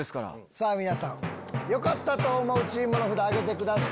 さぁ皆さんよかったと思うチームの札挙げてください。